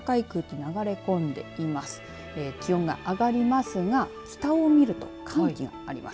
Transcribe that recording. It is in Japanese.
気温が上がりますが北を見ると寒気があります。